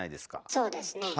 そうですね。